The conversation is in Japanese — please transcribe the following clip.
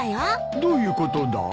どういうことだ？